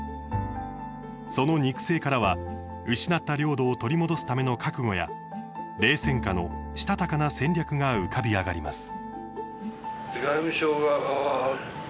その肉声からは、失った領土を取り戻すための覚悟や冷戦下のしたたかな戦略が浮かび上がります。